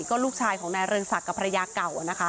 ก็ลูกชายของนายเรืองศักดิ์กับภรรยาเก่านะคะ